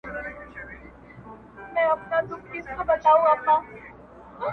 الله دي تا پر چا مین کړي!.